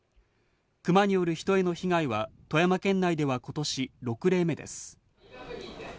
クマによる人への被害は、富山県内ではことし６例目です。